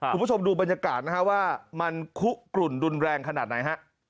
คุณผู้ชมดูบรรยากาศนะฮะว่ามันคุกกลุ่นรุนแรงขนาดไหนฮะ